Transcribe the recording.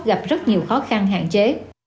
gặp rất nhiều khó khăn hạn chế